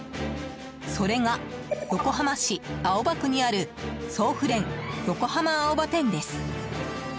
それが、横浜市青葉区にある想夫恋横浜青葉店です。